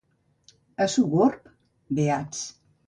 A Sogorb, beats.